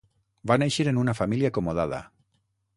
Va néixer en una família acomodada.